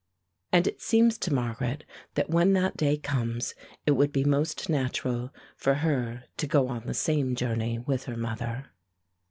And it seems to Margaret that when that day comes it would be most natural for her to go on the same journey with her mother.